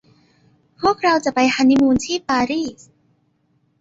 พวกเราจะไปฮันนีมูนที่ปารีส